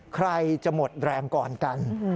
ใครจะหมดแรงก่อนกัน